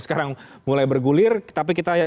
sekarang mulai bergulir tapi kita